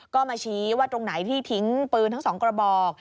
ก็มาชี้ว่าตรงไหนที่ทิ้งปืนทั้งสองกระบอก